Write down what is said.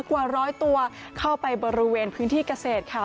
กว่าร้อยตัวเข้าไปบริเวณพื้นที่เกษตรค่ะ